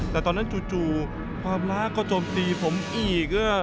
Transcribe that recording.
แต่ตอนนั้นจู่ความลากใจจอมตายตัวผมอีก